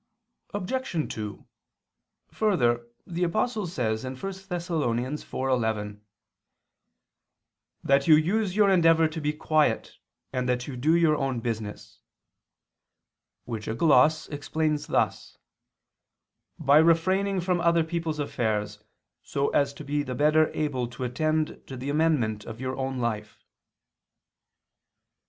Obj. 2: Further, the Apostle says (1 Thess. 4:11): "That you use your endeavor to be quiet, and that you do your own business," which a gloss explains thus "by refraining from other people's affairs, so as to be the better able to attend to the amendment of your own life."